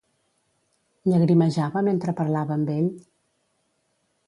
Llagrimejava mentre parlava amb ell?